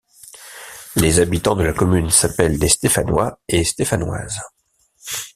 Les habitants de la commune s'appellent les Stéphanois et Stéphanoises.